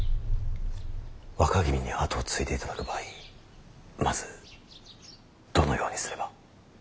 若君に跡を継いでいただく場合まずどのようにすれば。